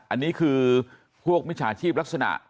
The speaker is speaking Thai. อันนี้คือพวกมิจฉาชีพลักษณะ